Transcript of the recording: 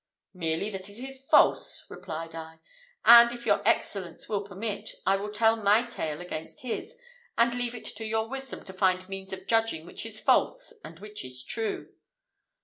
"Merely that it is false," replied I; "and if your Excellence will permit, I will tell my tale against his, and leave it to your wisdom to find means of judging which is false and which is true."